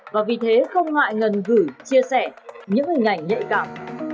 và vì thế không ngại ngần gửi chia sẻ những hình ảnh nhạy cảm